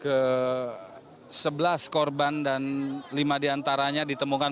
ke sebelas korban dan lima diantaranya ditemukan